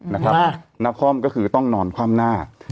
น้องคล่อมก็คือต้องนอนความหน้า